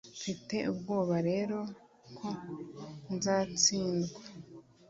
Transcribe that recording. mfite ubwoba rero ko nzatsindwa